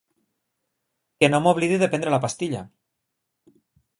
Que no m'oblidi de prendre la pastilla.